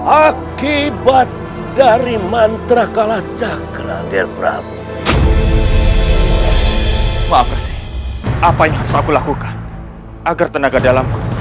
akibat dari mantra kalacakra gerbap maaf apa yang aku lakukan agar tenaga dalamku